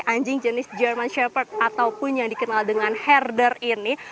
anjing jenis german sherd ataupun yang dikenal dengan herder ini